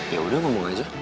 yaudah ngomong aja